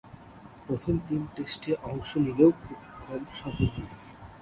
প্রথম তিন টেস্টে অংশ নিলেও খুব কম সফল হন।